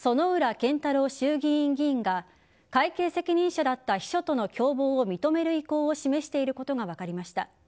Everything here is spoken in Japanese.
健太郎衆議院議員が会計責任者だった秘書との共謀を認める意向を示していることが分かりました。